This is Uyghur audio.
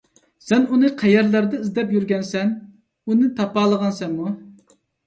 سەن ئۇنى قەيەرلەردە ئىزدەپ يۈرگەنسەن، ئۇنى تاپالىغانسەنمۇ؟